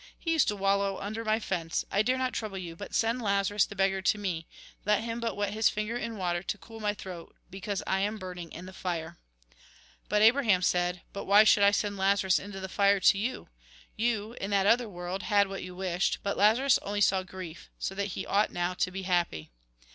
He used to wallow under my fence, I dare not trouble you, but send Lazarus the beggar to me ; let him but wet his finger in water, to cool my throat, because I am burning in the fire.' But Abraham said :' But why should I send Lazarus into the fire to you ? You, in that other world, had what you wished, but Lazarus only saw grief ; so that he ought now to be happy.